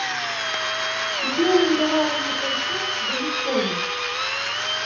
Асноўным таварам на той час былі коні.